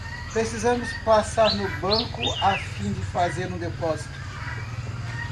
Precisamos passar no banco a fim de fazer um depósito